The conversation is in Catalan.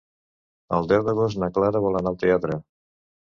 El deu d'agost na Clara vol anar al teatre.